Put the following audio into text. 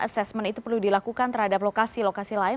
assessment itu perlu dilakukan terhadap lokasi lokasi lain